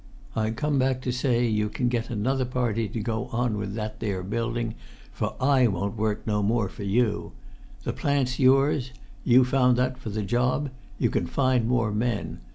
"I come back to say you can get another party to go on with that there building, for I won't work no more for you. The plant's yours; you found that for the job; you can find more men.